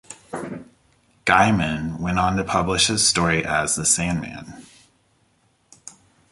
Gaiman went on to publish his story as The Sandman.